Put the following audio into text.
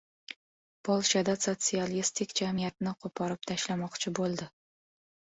Polshada sotsialistik jamiyatni qo‘porib tashlamoqchi bo‘ldi.